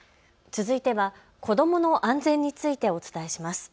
続いては子どもの安全についてお伝えします。